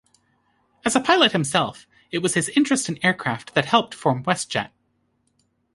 As a pilot himself, it was his interest in aircraft that helped form WestJet.